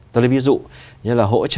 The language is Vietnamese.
tôi lấy ví dụ như là hỗ trợ